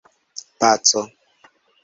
paco